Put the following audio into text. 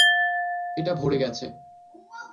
এটা ভরে গেছে।